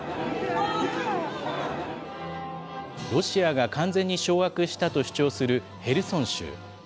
ロシアが完全に掌握したと主張するヘルソン州。